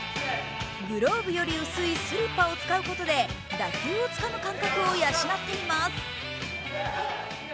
グローブより薄いスリッパを使うことで打球をつかむ感覚を養っています。